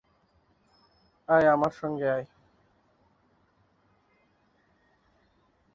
আয়, আমার সঙ্গে আয়।